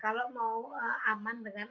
kalau mau aman dengan